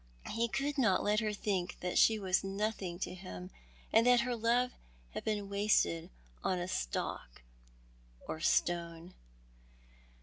He could not let her think that she was nothing to him, and that her love had been wasted on a stock or stone.